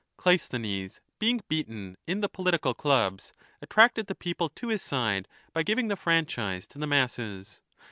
Cleisthenes, being beaten in the political clubs, attracted the people to his side by giving the franchise to the masses.